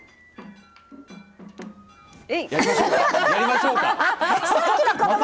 やりましょうか。